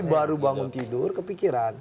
baru bangun tidur kepikiran